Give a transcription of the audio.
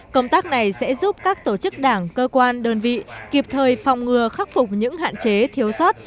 công tác này sẽ giúp các tổ chức đảng cơ quan đơn vị kịp thời phòng ngừa khắc phục những hạn chế thiếu sót